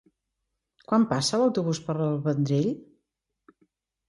Quan passa l'autobús per el Vendrell?